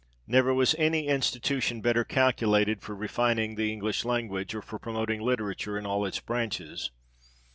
Never was any institution better calculated for refining the English language, or for promoting literature in all its branches.